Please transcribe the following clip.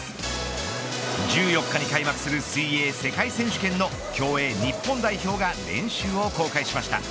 １４日に開幕する水泳世界選手権の競泳日本代表が練習を公開しました。